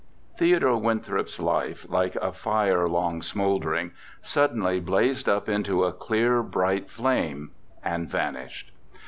Theodore Winthrop's life, like a fire long smouldering, suddenly blazed up into a clear, bright flame, and vanished.